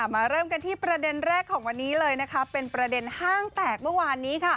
เริ่มกันที่ประเด็นแรกของวันนี้เลยนะคะเป็นประเด็นห้างแตกเมื่อวานนี้